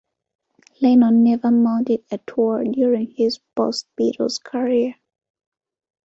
Lennon never mounted a tour during his post-Beatles career.